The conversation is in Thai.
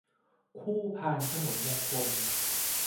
คู่พานขนมมงคล